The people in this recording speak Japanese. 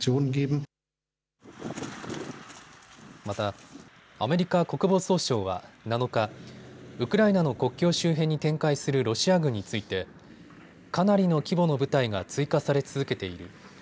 また、アメリカ国防総省は７日、ウクライナの国境周辺に展開するロシア軍についてかなりの規模の部隊が追加され続けている。